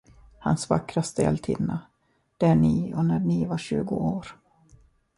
Hans vackraste hjältinna, det är ni när ni var tjugo år.